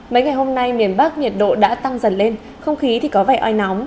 mấy ngày hôm nay miền bắc nhiệt độ đã tăng dần lên không khí thì có vẻ oi nóng